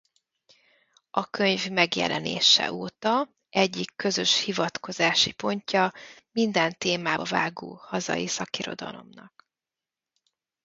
A könyv megjelenése óta egyik közös hivatkozási pontja minden témába vágó hazai szakirodalomnak.